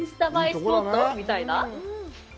スポットみたいな。